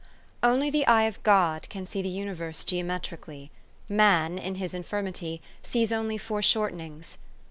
"Only the ey<> of God can see the universe geometrically: man, In his infirmity, sees only foreshortenings.